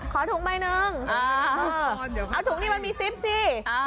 ถุงใบหนึ่งเอาถุงนี้มันมีซิปสิ